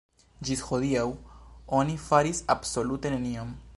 Ĝis hodiaŭ oni faris absolute nenion.